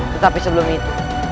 tetapi sebelum itu